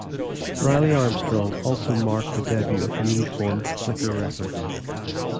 "Riley Armstrong" also marked the debut of newly formed Flicker Records.